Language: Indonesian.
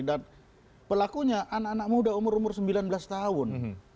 dan pelakunya anak anak muda umur umur sembilan belas tahun